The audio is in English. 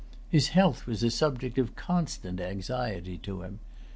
His health was a subject of constant anxiety to him.